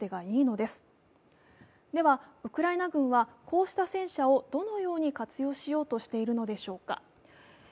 では、ウクライナ軍はこうした戦車をどのように活用しようとしているのでしょうか。